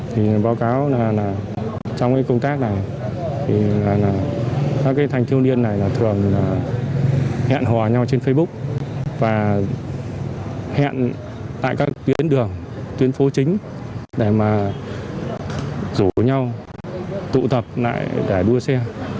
thì báo cáo là trong cái công tác này thì các thanh thiếu niên này thường hẹn hò nhau trên facebook và hẹn tại các tuyến đường tuyến phố chính để mà rủ nhau tụ tập lại để đua xe